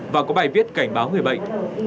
và có bài viết cảnh báo người bệnh